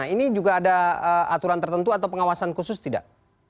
ini juga ada aturan tertentu atau pengawasan khusus tidak